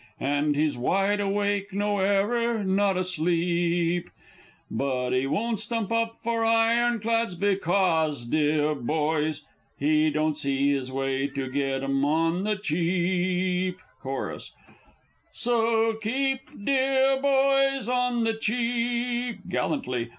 _) And he's wide awake no error! not asleep; But he won't stump up for ironclads becos, deah boys! He don't see his way to get 'em On the Cheap! Chorus. So keep, deah boys! On the Cheap, (_Gallantly.